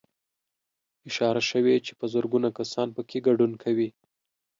اشاره شوې چې په زرګونه کسان پکې ګډون کوي